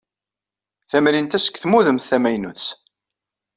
Tamrint-a seg tmudemt tamaynut.